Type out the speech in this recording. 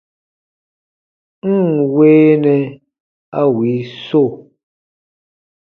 N ǹ weenɛ a wii so !